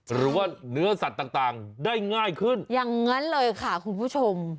หรือว่าเนื้อสัตว์ต่างได้ง่ายขึ้นอย่างนั้นเลยค่ะคุณผู้ชม